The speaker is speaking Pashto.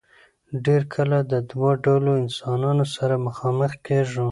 ډېر کله د دو ډلو انسانانو سره مخامخ کيږو